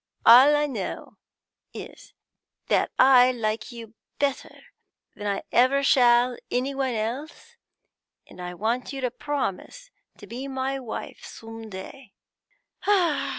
'All I know is, that I like you better than I ever shall any one else, and I want you to promise to be my wife, some day.'